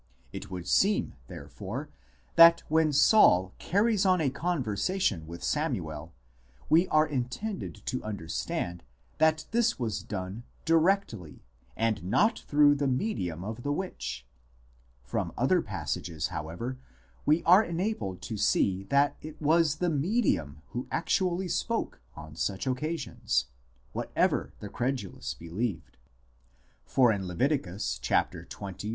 It would seem, therefore, that when Saul carries on a conversation with Samuel, we are intended to under stand that this was done directly, and not through the medium of the witch. From other passages, however, we are enabled to see that it was the " medium " who actually spoke on such occasions, whatever the credulous believed. For in Lev.